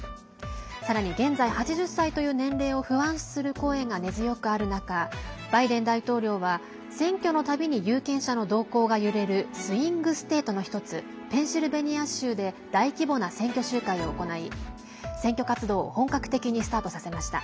さらに現在８０歳という年齢を不安視する声が根強くある中バイデン大統領は選挙の度に有権者の動向が揺れるスイング・ステートの１つペンシルベニア州で大規模な選挙集会を行い選挙活動を本格的にスタートさせました。